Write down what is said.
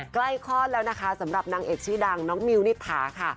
คลอดแล้วนะคะสำหรับนางเอกชื่อดังน้องมิวนิษฐาค่ะ